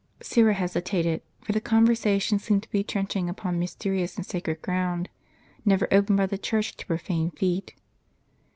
" Syra hesitated, for the conversation seemed to be trench ing upon mysterious and sacred ground, never opened by the Church to profane foot.